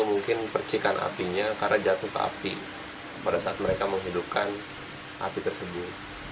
mungkin percikan apinya karena jatuh ke api pada saat mereka menghidupkan api tersebut